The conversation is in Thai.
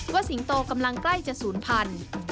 สิงโตกำลังใกล้จะศูนย์พันธุ์